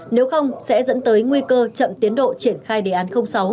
nếu không sẽ dẫn tới nguy cơ chậm tiến độ triển khai đề án sáu